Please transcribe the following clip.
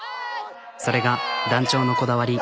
それが団長のこだわり。